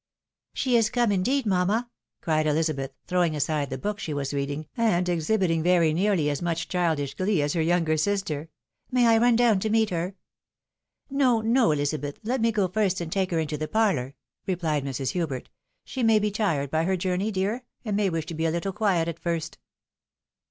" She is come, indeed, mamma! " cried Elizabeth, throwing aside the book she was reading, and exhibiting very nearly as much childish glee as her younger sister. " May I run down to meet her? "" No, no, Elizabeth, let me go first and take her into the parlour," rephed Mrs. Hubert; " she maybe tired by her journey, dear, and may wish to be a httle quiet at first."